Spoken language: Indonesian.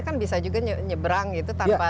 kan bisa juga nyebrang gitu tanpa